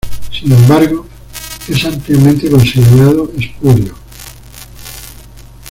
Sin embargo, es ampliamente considerado espurio.